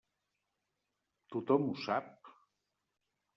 Tothom ho sap.